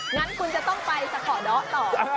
งั้นคุณจะต้องไปสะขอเดาะต่อ